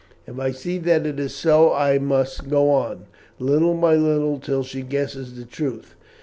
If I see that it is so I must go on, little by little, till she guesses the truth.